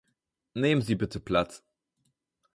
Nehmen Sie bitte Platz.